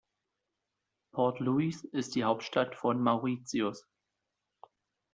Port Louis ist die Hauptstadt von Mauritius.